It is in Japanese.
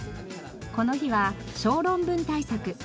この日は小論文対策。